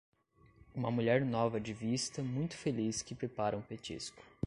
Uma mulher nova de vista muito feliz que prepara um petisco.